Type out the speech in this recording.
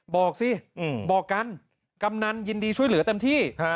บอกสิบอกกันกำนันยินดีช่วยเหลือเต็มที่